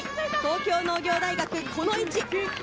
東京農業大学、この位置。